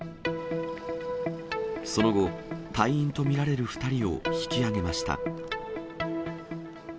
その後、隊員と見られる２人を引き揚げました。